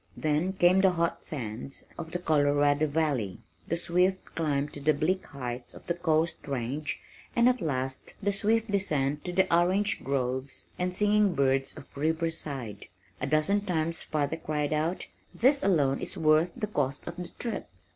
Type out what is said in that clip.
Then came the hot sand of the Colorado valley, the swift climb to the bleak heights of the coast range and, at last, the swift descent to the orange groves and singing birds of Riverside. A dozen times father cried out, "This alone is worth the cost of the trip."